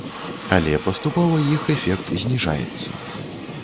Але паступова іх эфект зніжаецца.